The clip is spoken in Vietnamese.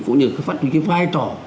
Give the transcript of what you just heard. cũng như phát triển cái vai trò